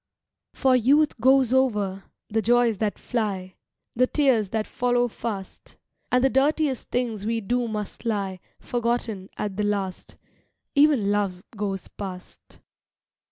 For youth goes over, the joys that fly, The tears that follow fast; And the dirtiest things we do must lie Forgotten at the last; Even Love goes past.